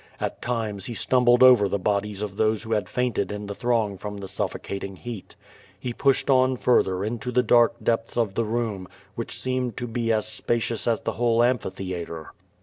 At times he stumbled over the bodies of those who had fainted iji the throng from the suffocating heat. He pushed on further into the dark depths of the room, which seemed to be as spacious as the whole am phitheatre.